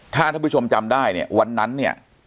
ถ้าท่านผู้ชมจำได้เนี่ยวันนั้นเนี่ย